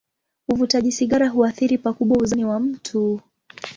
Uvutaji sigara huathiri pakubwa uzani wa mtu.